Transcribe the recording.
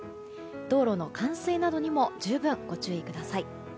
道路の冠水などにも十分ご注意ください。